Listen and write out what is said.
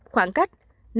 bốn khoảng cách